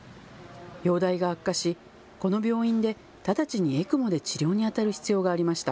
容体が悪化し、この病院で直ちにＥＣＭＯで治療にあたる必要がありました。